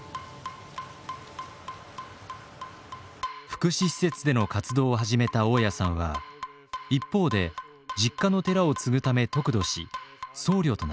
福祉施設での活動を始めた雄谷さんは一方で実家の寺を継ぐため得度し僧侶となりました。